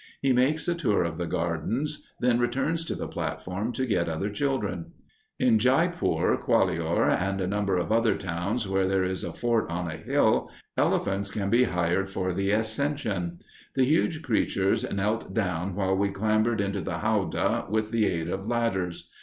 He makes a tour of the gardens, then returns to the platform to get other children. At Jaipur, Gwalior, and a number of other towns where there is a fort on a hill, elephants can be hired for the ascension. The huge creatures knelt down while we clambered into the howdah with the aid of ladders.